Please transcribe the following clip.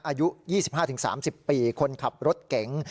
อายุยี่สิบห้าถึงสามสิบปีคนขับรถเก่ง